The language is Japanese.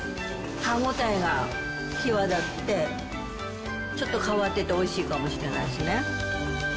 歯応えが際立ってちょっと変わってて美味しいかもしれないですね。